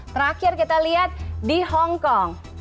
terakhir kita lihat di hongkong